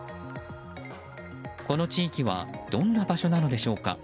この地域はどんな場所なのでしょうか。